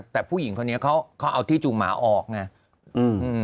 แต่ผู้หญิงคนนี้เขาเขาเอาที่จูงหมาออกไงอืม